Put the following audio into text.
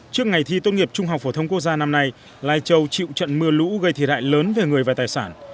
trước ngày thi tốt nghiệp trung học phổ thông quốc gia năm nay lai châu chịu trận mưa lũ gây thi đại lớn về người và tài sản